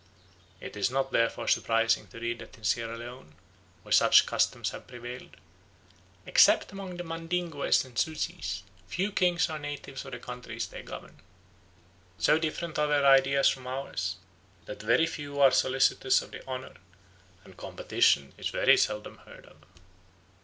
It is not therefore surprising to read that in Sierra Leone, where such customs have prevailed, "except among the Mandingoes and Suzees, few kings are natives of the countries they govern. So different are their ideas from ours, that very few are solicitous of the honour, and competition is very seldom heard of."